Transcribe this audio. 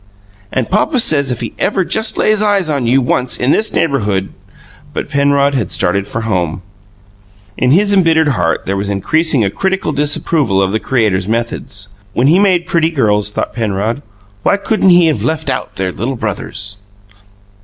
"And papa says if he ever just lays eyes on you, once, in this neighbourhood " But Penrod had started for home. In his embittered heart there was increasing a critical disapproval of the Creator's methods. When He made pretty girls, thought Penrod, why couldn't He have left out their little brothers!